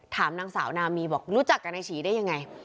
ถามนางสาวนามีบอกรู้จักกับนายฉีได้ยังไง